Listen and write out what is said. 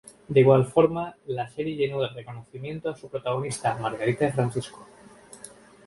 De igual forma, la serie llenó de reconocimiento a su protagonista, Margarita de Francisco.